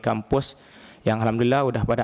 kampus yang alhamdulillah udah pada